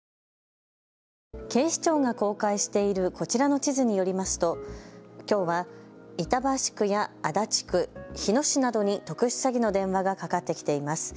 警視庁が公開しているこちらの地図によりますときょうは板橋区や足立区、日野市などに特殊詐欺の電話がかかってきています。